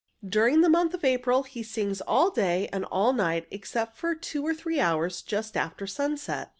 During the month of April he sings all day and all night, except for two or three hours just after sunset.